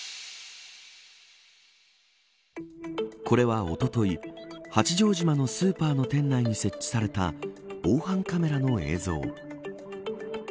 これはおととい八丈島のスーパーの店内に設置された防犯カメラの映像。